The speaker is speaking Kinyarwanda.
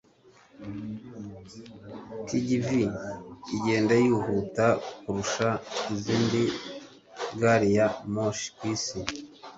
TGV igenda yihuta kurusha izindi gari ya moshi kwisi.